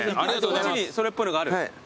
こっちにそれっぽいのがある。